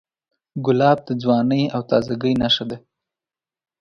ګلاب د ځوانۍ او تازهګۍ نښه ده.